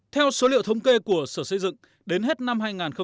theo số liệu thống kê của sở xây dựng đến hết năm hai nghìn một mươi chín